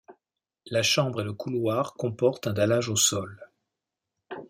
La chambre et le couloir comportent un dallage au sol.